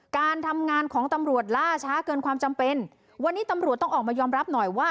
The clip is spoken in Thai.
การทำงานของตำรวจล่าช้าเกินความจำเป็นวันนี้ตำรวจต้องออกมายอมรับหน่อยว่า